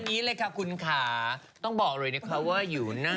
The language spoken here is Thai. นี้เลยค่ะคุณค่ะต้องบอกเลยนะคะว่าอยู่หน้า